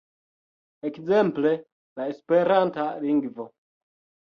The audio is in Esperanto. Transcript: Ekzemple, la esperanta lingvo.